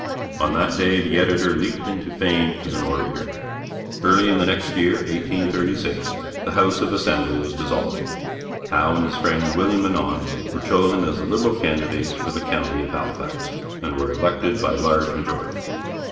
On that day the editor leaped into fame as an orator. Early in the next year (1836) the House of Assembly was dissolved. Howe and his friend William Annand were chosen as the Liberal candidates for the county of Halifax, and were elected by large majorities.